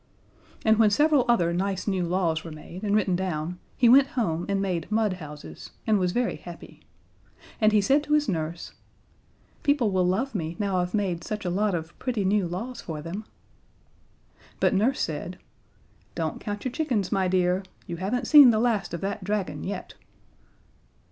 And when several other nice new laws were made and written down he went home and made mud houses and was very happy. And he said to his Nurse: "People will love me now I've made such a lot of pretty new laws for them." But Nurse said: "Don't count your chickens, my dear. You haven't seen the last of that Dragon yet."